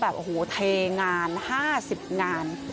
แบบเฮ้อเถงาน๕๐งาน